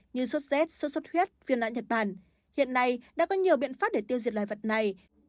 như sốt rét sốt sốt huyết viên lãn nhật bản hiện nay đã có nhiều biện pháp để tiêu diệt loài vật này